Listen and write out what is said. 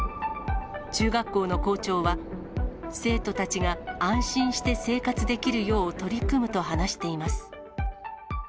中学校の校長は、生徒たちが安心して生活できるよう取り組むと話しています。